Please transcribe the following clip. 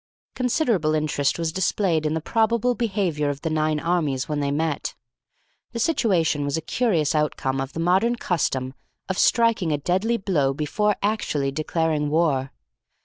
Considerable interest was displayed in the probable behaviour of the nine armies when they met. The situation was a curious outcome of the modern custom of striking a deadly blow before actually declaring war.